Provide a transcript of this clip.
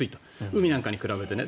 海なんかに比べてね。